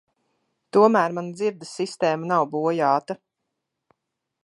Tomēr mana dzirdes sistēma nav bojāta.